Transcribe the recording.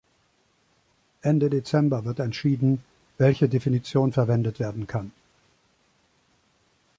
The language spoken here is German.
Ende Dezember wird entschieden, welche Definition verwendet werden kann.